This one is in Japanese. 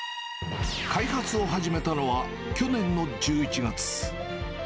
開発を始めたのは去年の１１月。